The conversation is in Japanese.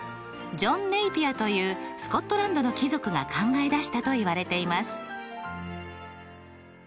ジョン・ネイピアというスコットランドの貴族が考え出したといわれています。